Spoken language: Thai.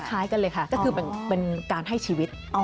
คล้ายกันเลยค่ะก็คือเป็นการให้ชีวิต